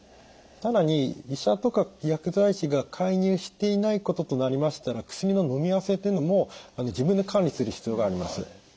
更に医者とか薬剤師が介入していないこととなりましたら薬ののみあわせというのも自分で管理する必要があります。